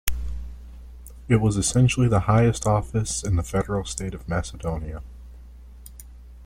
It was essentially the highest office in the Federal State of Macedonia.